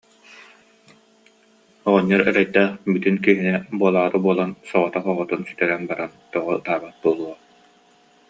Оҕонньор эрэйдээх бүтүн киһини, буолаары буолан, соҕотох оҕотун сүтэрэн баран, тоҕо ытаабат буолуой